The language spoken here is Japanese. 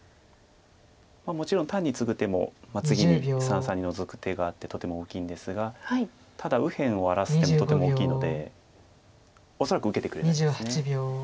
もちろん単にツグ手も次に三々にノゾく手があってとても大きいんですがただ右辺を荒らす手もとても大きいので恐らく受けてくれないです。